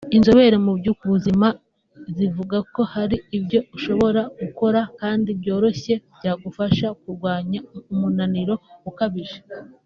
Inzobere mu by’ubuzima zivuga ko hari ibyo ushobora gukora kandi byoroshye byagufasha kurwanya umunaniro ukabije